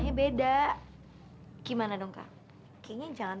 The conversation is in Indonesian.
jadi nanti kita pakenya mecing